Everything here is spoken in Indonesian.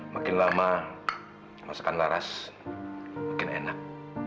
makin lama masakan laras makin enak